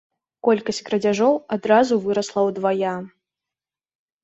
Колькасць крадзяжоў адразу вырасла ўдвая.